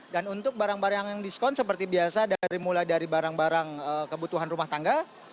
dan untuk barang barang yang diskon seperti biasa mulai dari barang barang kebutuhan rumah tangga